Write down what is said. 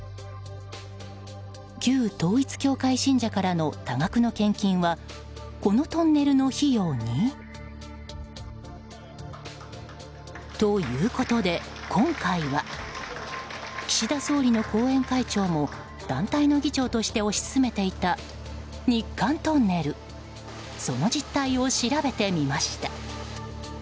旧統一教会信者からの多額の献金はこのトンネルの費用に？ということで今回は岸田総理の後援会長も団体の議長として推し進めていた日韓トンネルその実態を調べてみました。